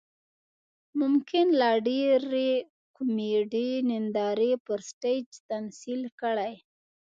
ممکن لا ډېرې کومیډي نندارې پر سټیج تمثیل کړي.